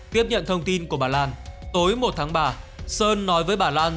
tiếp nhận thông tin của bà lan tối một tháng ba sơn nói với bà lan